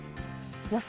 予想